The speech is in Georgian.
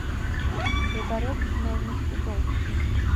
მდებარეობს ხმელნიცკის ოლქში.